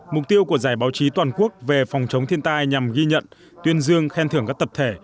mục tiêu của giải báo chí toàn quốc về phòng chống thiên tai nhằm ghi nhận tuyên dương khen thưởng các tập thể